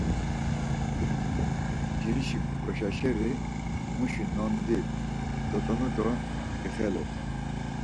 Nciriş goşaşeri muşi nondi datzonu do ixelu.